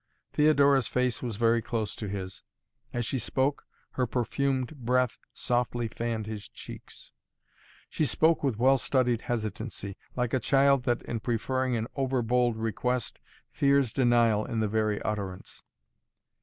Theodora's face was very close to his. As she spoke, her perfumed breath softly fanned his cheeks. She spoke with well studied hesitancy, like a child that, in preferring an overbold request, fears denial in the very utterance.